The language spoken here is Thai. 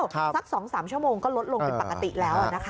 สัก๒๓ชั่วโมงก็ลดลงเป็นปกติแล้วนะคะ